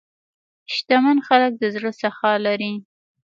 شتمن خلک د زړه سخا لري.